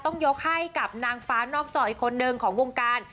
ต้องยกให้กับนางฟ้านอกจออีกคนนึงของวงการ